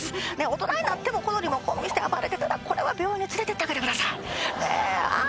大人になってもこのリモコン見せて暴れてたらこれは病院に連れてってあげてくださいああ